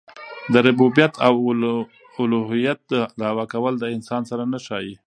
د ربوبیت او اولوهیت دعوه کول د انسان سره نه ښايي.